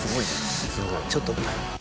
ちょっと。